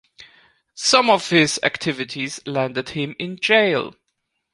Some of his activities landed him in jail.